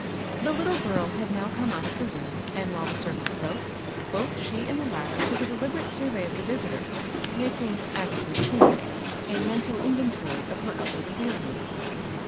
The little girl had now come out of the room, and while the servant spoke, both she and the latter took a deliberate survey of the visitor, making, as it would seem, a mental in ventory of her outward appearings.